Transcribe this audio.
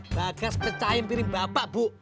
bagas pecahin piring bapak bu